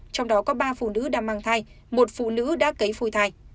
trong đó có ba phụ nữ đang mang thai một phụ nữ đã cấy phôi thai